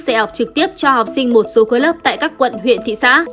dạy học trực tiếp cho học sinh một số khối lớp tại các quận huyện thị xã